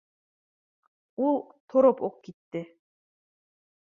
— Ул тороп уҡ китте